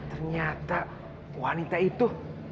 ternyata wanita itu